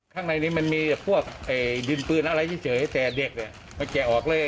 ข้างในนี้มันมีพวกดินปืนอะไรเฉยแต่เด็กมาแกะออกเลย